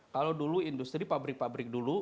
kalau dulu industri pabrik pabrik dulu